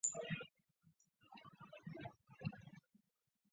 这是皮泽建造的唯一一座铁路车站。